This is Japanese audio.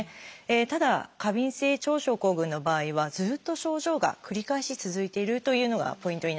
ただ過敏性腸症候群の場合はずっと症状が繰り返し続いてるというのがポイントになっています。